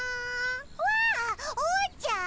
わあおうちゃん？